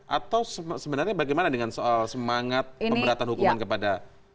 atau sebenarnya bagaimana dengan soal semangat pemberatan hukuman kepada